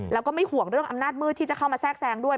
แล้วก็ไม่ห่วงเรื่องอำนาจมืดที่จะเข้ามาแทรกแซงด้วย